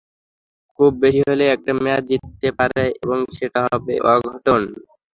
খুব বেশি হলে একটা ম্যাচ জিততে পারে এবং সেটা হবে অঘটন।